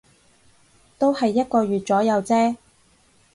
都係一個月左右啫